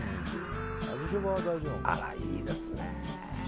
あら、いいですね。